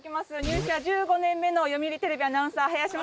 入社１５年目の読売テレビアナウンサー林マオです！